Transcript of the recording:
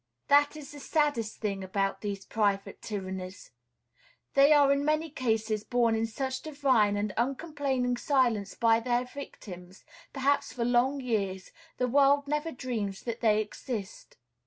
That is the saddest thing about these private tyrannies. They are in many cases borne in such divine and uncomplaining silence by their victims, perhaps for long years, the world never dreams that they exist.